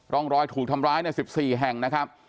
ร่องรอยถูกทำร้ายใน๑๔แห่งนะครับ